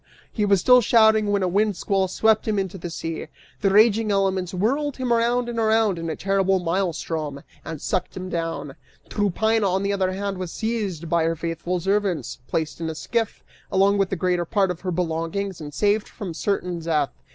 He was still shouting when a windsquall swept him into the sea; the raging elements whirled him around and around in a terrible maelstrom and sucked him down. Tryphaena, on the other hand, was seized by her faithful servants, placed in a skiff, along with the greater part of her belongings, and saved from certain death.